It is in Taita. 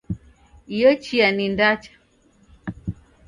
Iyo chia ni ndacha